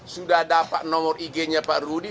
sudah dapat nomor ig nya pak rudi